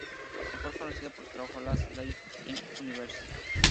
Mejor conocido por su trabajo, Last Life in the Universe.